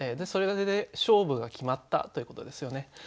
それで勝負が決まったということですよね。